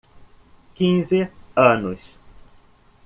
Quinze anos